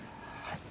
はい。